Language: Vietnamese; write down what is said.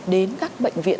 đến các bệnh viện